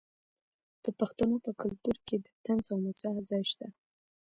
د پښتنو په کلتور کې د طنز او مزاح ځای شته.